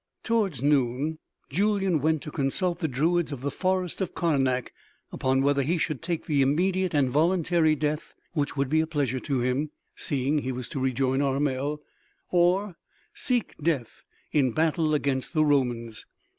Towards noon, Julyan went to consult the druids of the forest of Karnak upon whether he should take the immediate and voluntary death which would be a pleasure to him, seeing he was to rejoin Armel, or seek death in battle against the Romans.